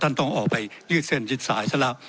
ต้องออกไปยืดเส้นยืดสายซะแล้ว